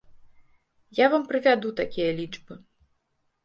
Я вам прывяду такія лічбы.